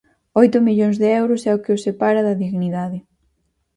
Oito millóns de euros é o que os separa da dignidade.